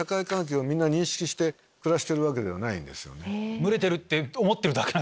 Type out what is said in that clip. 群れてるって思ってるだけ。